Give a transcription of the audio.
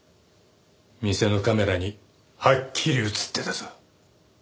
店のカメラにはっきり映ってたぞ。